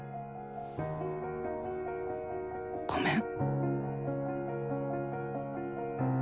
ごめん。